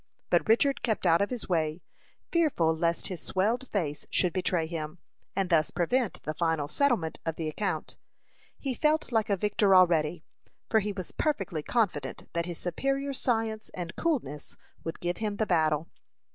But Richard kept out of his way, fearful lest his swelled face should betray him, and thus prevent the final settlement of the account. He felt like a victor already, for he was perfectly confident that his superior science and coolness would give him the battle.